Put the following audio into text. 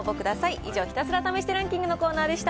以上、ひたすら試してランキングのコーナーでした。